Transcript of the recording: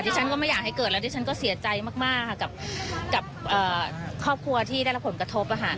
ฉันก็ไม่อยากให้เกิดแล้วดิฉันก็เสียใจมากกับครอบครัวที่ได้รับผลกระทบ